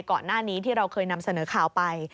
ก่อนหน้านี้ที่เราเคยนำเสนอข่าวไป